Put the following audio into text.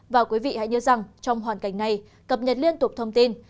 và quý vị hãy nhớ rằng trong hoàn cảnh này cập nhật liên tục thông tin